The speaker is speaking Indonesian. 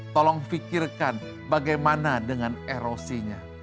tolong fikirkan bagaimana dengan erosinya